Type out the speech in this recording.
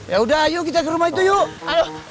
yaudah ayo kita ke rumah itu yuk